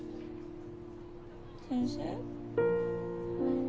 先生。